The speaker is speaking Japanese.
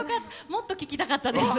もっと聴きたかったです。